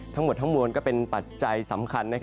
ทั้งหมดทั้งมวลก็เป็นปัจจัยสำคัญ